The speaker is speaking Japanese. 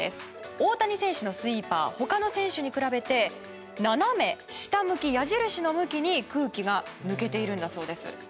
大谷選手のスイーパー他の選手に比べて斜め下向き矢印の向きに空気が抜けているんだそうです。